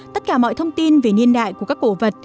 tất cả mọi thông tin về niên đại của các cổ vật